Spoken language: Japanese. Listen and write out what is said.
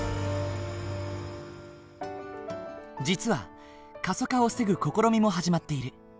実は過疎化を防ぐ試みも始まっている。